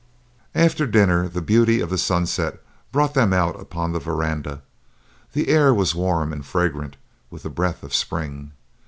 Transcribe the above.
After dinner the beauty of the sunset brought them out upon the veranda. The air was warm and fragrant with the breath of spring.